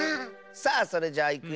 さあそれじゃいくよ。